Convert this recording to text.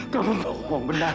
kamu bohong benar